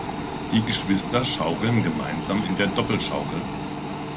Die Geschwister schaukeln gemeinsam in der Doppelschaukel.